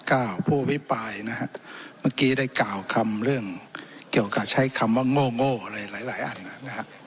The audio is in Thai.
ผู้อภิปรายนะฮะเมื่อกี้ได้กล่าวคำเรื่องเกี่ยวกับใช้คำว่าโง่โง่อะไรหลายหลายอันอ่ะนะฮะ